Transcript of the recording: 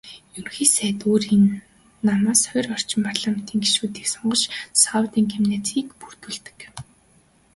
Ерөнхий сайд өөрийн намаас хорь орчим парламентын гишүүнийг сонгож "Сайдуудын кабинет"-ийг бүрдүүлдэг.